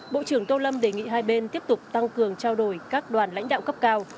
bộ trưởng tô lâm đề nghị hai bên tiếp tục tăng cường trao đổi các đoàn lãnh đạo cấp cao